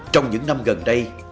trong những năm gần đây